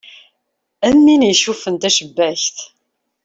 Am win yecuffun tacebbakt.